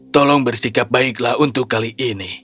tolong bersikap baiklah untuk kali ini